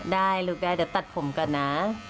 ได้ลูกแม่เดี๋ยวตัดผมก่อนนะ